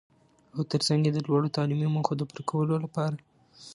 او تر څنګ يې د لوړو تعليمي موخو د پوره کولو لپاره.